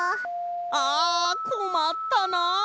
あこまったな。